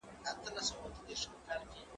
کښېناستل د زده کوونکي له خوا کيږي!.